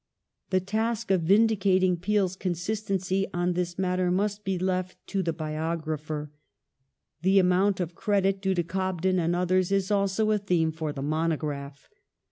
The task of vindicating Peel's consistency on this matter must be left to the biogi'apher. The amount of credit due to Cobden and others is also a theme for the monograph.